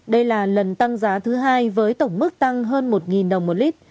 đây là lần tăng giá thứ hai với tổng mức tăng hơn một đồng một lít